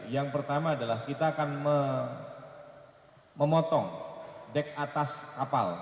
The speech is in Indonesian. yang pertama adalah kita akan memotong dek atas kapal